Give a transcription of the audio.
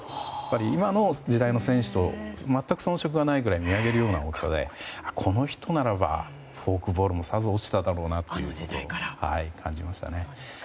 今の時代の選手と全くそん色がないぐらい見上げるような大きさでこの人ならばフォークボールもさぞ落ちただろうなと感じましたね。